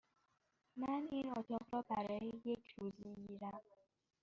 من این اتاق را برای یک روز می گیرم.